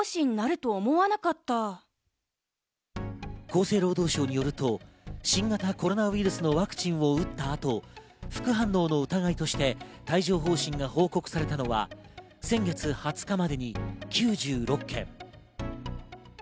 厚生労働省によると新型コロナウイルスのワクチンを打った後、副反応の疑いとして帯状疱疹が報告されたのは先月２０日までに９６件。